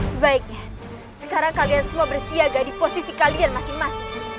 sebaiknya sekarang kalian semua bersiaga di posisi kalian masing masing